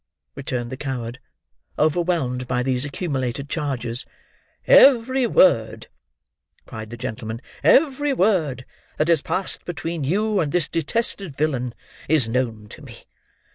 returned the coward, overwhelmed by these accumulated charges. "Every word!" cried the gentleman, "every word that has passed between you and this detested villain, is known to me.